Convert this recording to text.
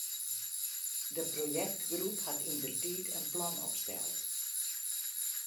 De projektgroep hat yndertiid in plan opsteld.